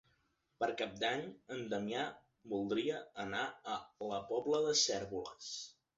Per Cap d'Any en Damià voldria anar a la Pobla de Cérvoles.